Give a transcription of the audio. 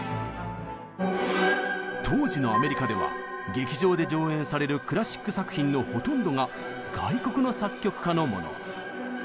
当時のアメリカでは劇場で上演されるクラシック作品のほとんどが外国の作曲家のもの。